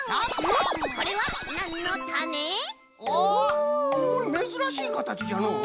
めずらしいかたちじゃのう。